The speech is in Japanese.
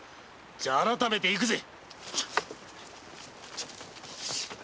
じゃ改めて行くぜ！